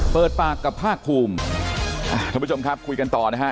เปิดปากกับภาคภูมิท่านผู้ชมครับคุยกันต่อนะฮะ